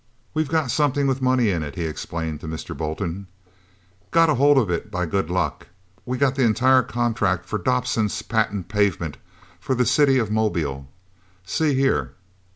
"We've got something with money in it," he explained to Mr. Bolton, "got hold of it by good luck. We've got the entire contract for Dobson's Patent Pavement for the city of Mobile. See here."